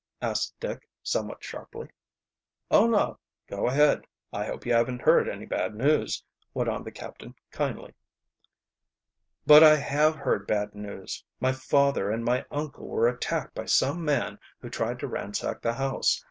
asked Dick, somewhat sharply. "Oh, no; go ahead. I hope you haven't heard any bad news," went on the captain kindly. "But I have heard bad news. My father and my uncle were attacked by some man who tried to ransack the house.